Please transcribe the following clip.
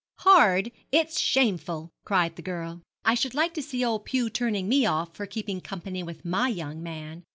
Hard? it's shameful,' cried the girl. 'I should like to see old Pew turning me off for keeping company with my young man.